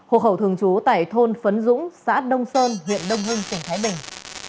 hộ khẩu thường trú tại thôn phấn dũng xã đông sơn huyện đông hưng tỉnh thái bình